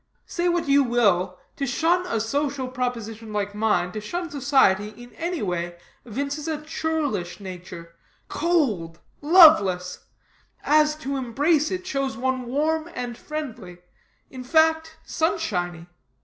Say what you will, to shun a social proposition like mine, to shun society in any way, evinces a churlish nature cold, loveless; as, to embrace it, shows one warm and friendly, in fact, sunshiny."